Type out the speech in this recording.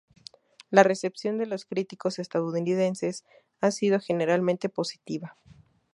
La recepción de los críticos estadounidenses ha sido generalmente positiva.